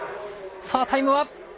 さあ、タイムは。